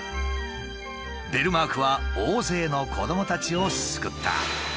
ベルマークは大勢の子どもたちを救った。